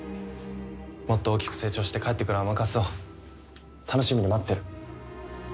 もっと大きく成長して帰ってくる甘春を楽しみに待ってる。